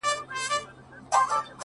مرگ دی که ژوند دی،